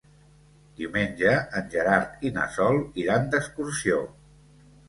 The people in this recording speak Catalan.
Diumenge en Gerard i na Sol iran d'excursió.